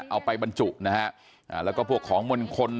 เอาไปบรรจุนะฮะอ่าเหลือก็พวกของมนตร์คน